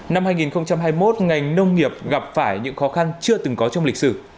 năm hai nghìn hai mươi một ngành nông nghiệp gặp phải những khó khăn chưa từng có trong lịch sử